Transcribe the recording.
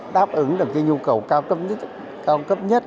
đáp ứng được cái nhu cầu cao cấp nhất